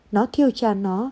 nó thiêu cha nó